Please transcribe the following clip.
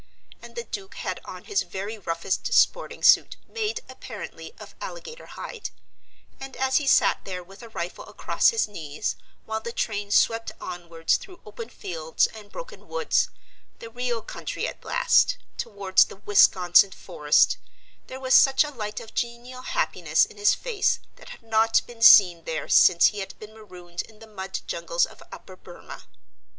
And the Duke had on his very roughest sporting suit, made, apparently, of alligator hide; and as he sat there with a rifle across his knees, while the train swept onwards through open fields and broken woods, the real country at last, towards the Wisconsin forest, there was such a light of genial happiness in his face that had not been seen there since he had been marooned in the mud jungles of Upper Burmah.